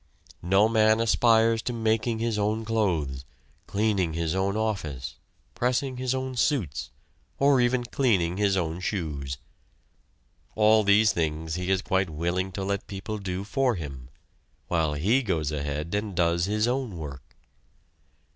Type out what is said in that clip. No man aspires to making his own clothes, cleaning his own office, pressing his own suits, or even cleaning his own shoes. All these things he is quite willing to let people do for him, while he goes ahead and does his own work.